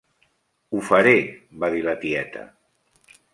"Ho faré," va dir la tieta.